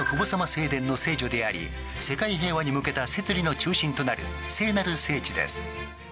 聖所であり、聖所であり、世界平和に向けた摂理の中心となる聖なる聖地です。